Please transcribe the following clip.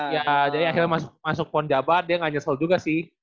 ya jadi akhirnya masuk pon jabar dia gak nyesel juga sih